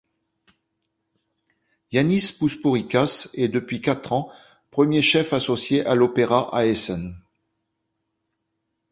Yannis Pouspourikas est depuis quatre ans premier chef associé à l'opéra à Essen.